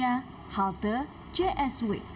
selanjutnya kita menuju kemana